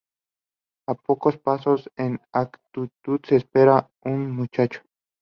A pocos pasos, en actitud de espera, un muchacho.